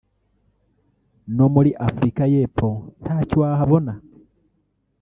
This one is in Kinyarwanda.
no muri Afurika y’Epfo ntacyo wahabona